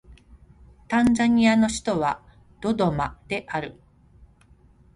タンザニアの首都はドドマである